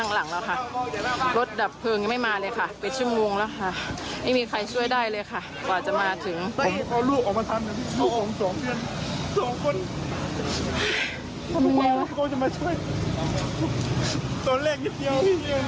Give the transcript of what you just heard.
เฮ่ยชั่วโมงกว่าแล้วหมดแล้ว